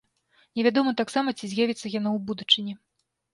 Невядома таксама, ці з'явіцца яно ў будучыні.